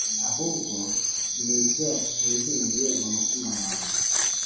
ahubwo ni ibyo wihimbiye mu mutima wawe.